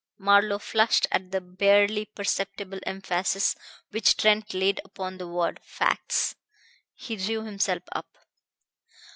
Marlowe flushed at the barely perceptible emphasis which Trent laid upon the word "facts." He drew himself up.